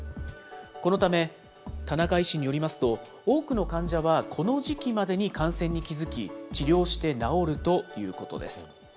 このため、田中医師によりますと、多くの患者はこの時期までに感染に気付き、治療して治るということです。